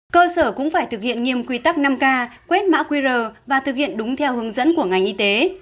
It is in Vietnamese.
cơ sở cũng phải thực hiện nghiêm quy tắc năm k quét quét mã qr và thực hiện đúng theo hướng dẫn của ngành y tế